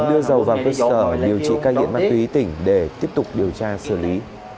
đưa dầu vào cơ sở điều trị ca nghiện ma túy tỉnh để tiếp tục điều tra xử lý